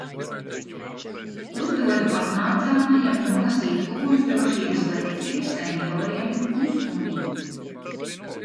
Uzdodu apmācāmajam nolasīt ugunsdrošības lekciju senioriem un sunim.